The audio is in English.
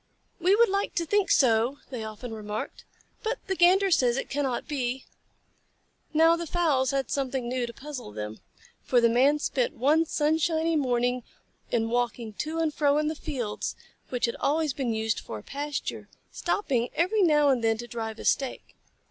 "We would like to think so," they often remarked, "but the Gander says it cannot be." Now the fowls had something new to puzzle them, for the Man spent one sunshiny morning in walking to and fro in the fields which had always been used for a pasture, stopping every now and then to drive a stake.